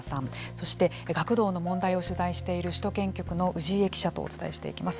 そして学童問題を取材している首都圏局の氏家記者とお伝えします。